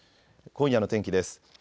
今夜の天気です。